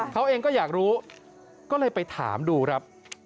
เขาเองก็อยากรู้ก็เลยไปถามดูครับ